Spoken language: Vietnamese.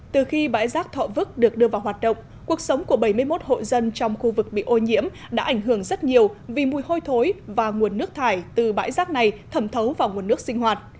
từ khi bãi rác thọ vức được đưa vào hoạt động cuộc sống của bảy mươi một hộ dân trong khu vực bị ô nhiễm đã ảnh hưởng rất nhiều vì mùi hôi thối và nguồn nước thải từ bãi rác này thẩm thấu vào nguồn nước sinh hoạt